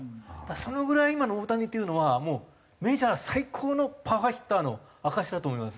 そのぐらい今の大谷というのはもうメジャー最高のパワーヒッターの証しだと思います。